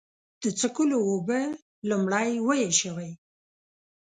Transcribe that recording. د څښلو اوبه لومړی وېشوئ.